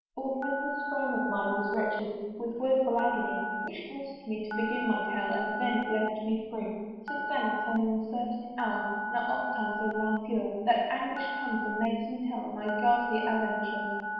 Forthwith this frame of mine was wrench'd With a woeful agony, Which forc'd me to begin my tale And then it left me free. Since then at an uncertain hour, Now oftimes and now fewer, That anguish comes and makes me tell My ghastly aventure.